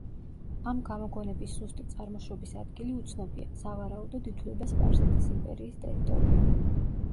ამ გამოგონების ზუსტი წარმოშობის ადგილი უცნობია, სავარაუდოდ ითვლება სპარსეთის იმპერიის ტერიტორია.